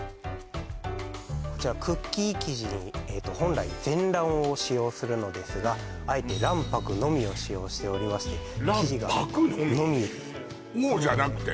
こちらクッキー生地に本来全卵を使用するのですがあえて卵白のみを使用しておりまして卵白のみ？のみ「黄」じゃなくて？